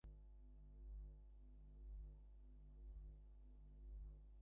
বন্দে আলী মিয়া পরিচালিত চলচ্চিত্রটিতে অভিনয় করেন সৈয়দ ইশতিয়াক আহমেদ এবং নবীনচন্দ্র রায়।